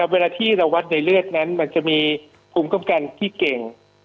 เวลาที่เราวัดในเลือดนั้นมันจะมีภูมิคุ้มกันที่เก่ง